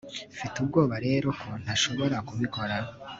mfite ubwoba rero ko ntashobora kubikora